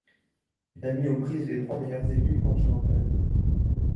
Il a mis aux prises les trois meilleures équipes continentales.